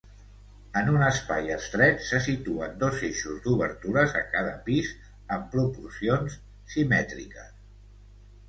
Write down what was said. En un espai estret, se situen dos eixos d'obertures a cada pis amb proporcions simètriques.